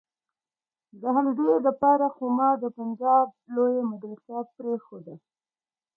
د همدې د پاره خو ما د پنجاب لويه مدرسه پرېخوده.